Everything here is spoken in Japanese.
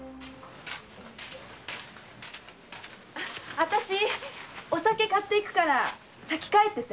あたしお酒を買っていくから先帰ってて。